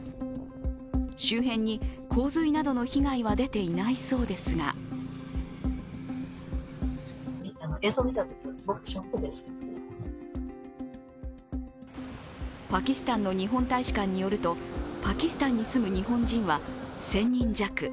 周辺に洪水などの被害は出ていないそうですがパキスタンの日本大使館によると、パキスタンに住む日本人は１０００人弱。